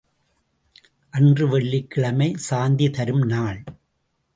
அன்று வெள்ளிக் கிழமை சாந்தி தரும் நாள்.